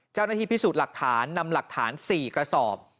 เจ้าหน้าที่พิสูจน์หลักฐานนำหลักฐาน๔กระสอบ